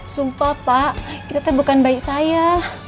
sumpah pak itu cek bukan bayi saya